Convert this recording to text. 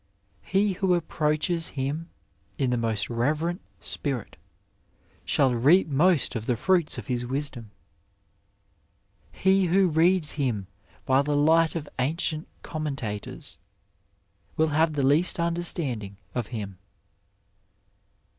He who approaches him in the most reverent spirit shall reap most of the fruits of his wisdom ; he who reads him by the light of ancient commentators will have the least understanding of him.